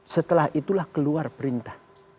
setelah itulah keluar perintah